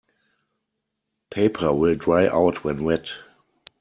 Paper will dry out when wet.